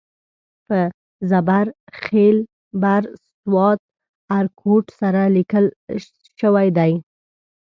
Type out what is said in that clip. په زبر خېل بر سوات ارکوټ سره لیکل شوی دی.